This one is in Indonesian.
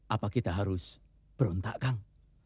apa kita harus berontak kang